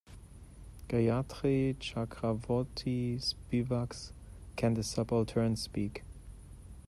Gayatri Chakravorty Spivak's Can the Subaltern Speak?